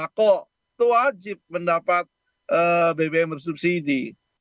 nah kok itu wajib mendapat bbm subsidi